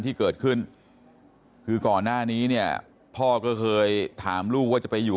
ที่เกิดขึ้นคือก่อนหน้านี้เนี่ยพ่อก็เคยถามลูกว่าจะไปอยู่